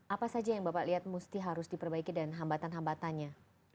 apa saja yang bapak lihat mesti harus diperbaiki dan hambatan hambatannya